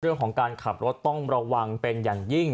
เรื่องของการขับรถต้องระวังเป็นอย่างยิ่ง